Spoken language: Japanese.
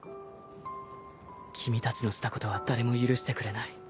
君たちのしたことは誰も許してくれない。